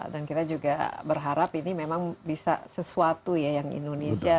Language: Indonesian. dan kita juga berharap ini memang bisa sesuatu ya yang indonesia